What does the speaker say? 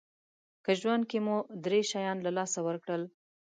که ژوند کې مو درې شیان له لاسه ورکړل